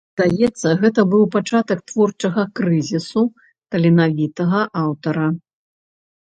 Здаецца, гэта быў пачатак творчага крызісу таленавітага аўтара.